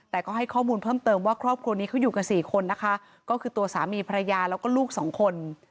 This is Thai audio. แต่ก็ให้ข้อมูลเพิ่มเติมว่าครอบครัวนี้เขาอยู่กันสี่คนนะคะก็คือตัวสามีภรรยาแล้วก็ลูกสองคน